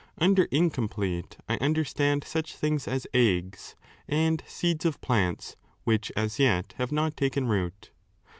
Under incomplete, I understand such things as eggs, and seeds of plants which as yet have not taken root.